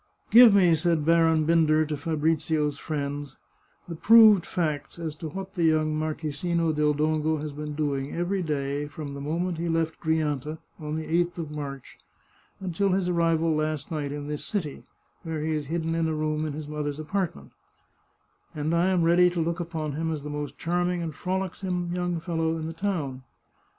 " Give me," said Baron Binder to Fabrizio's friends, " the proved facts as to what the young Marchesino del Dongo has been doing every day, from the moment he left Grianta, on the 8th of March, until his arrival last night in this city, where he is hidden in a room in his mother's apartment, and I am ready to look upon him as the most charming and frolicsome young fellow in the town.